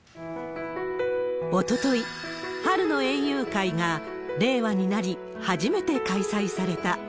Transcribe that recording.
おととい、春の園遊会が、令和になり初めて開催された。